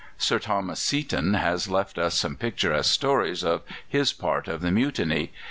Sir Thomas Seaton has left us some picturesque stories of his part in the Mutiny.